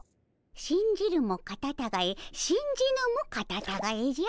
信じるもカタタガエ信じぬもカタタガエじゃ。